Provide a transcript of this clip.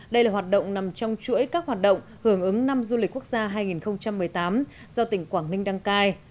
đây là hoạt động nằm trong chuỗi các hoạt động hưởng ứng năm du lịch quốc gia hai nghìn một mươi tám do tỉnh quảng ninh đăng cai